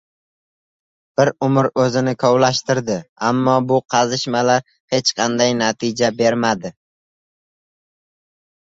— Bir umr o‘zini kovlashtirdi, ammo bu qazishmalar hech qanday natija bermadi.